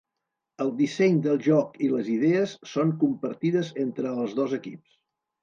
El disseny del joc i les idees són compartides entre els dos equips.